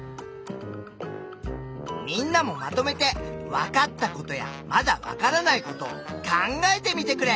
みんなもまとめてわかったことやまだわからないことを考えてみてくれ！